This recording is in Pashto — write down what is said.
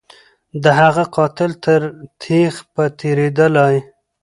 د هغه قاتل تر تیغ به تیریدلای